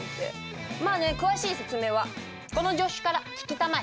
まあね詳しい説明はこの助手から聞きたまえ。